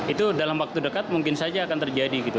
itu dalam waktu dekat mungkin saja akan terjadi gitu